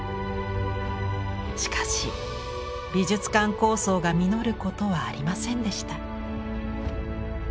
しかし美術館構想が実ることはありませんでした。